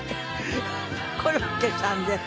コロッケさんです。